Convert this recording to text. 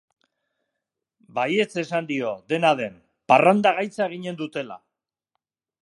Baietz esan dio, dena den, parranda gaitza eginen dutela.